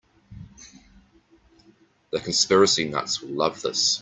The conspiracy nuts will love this.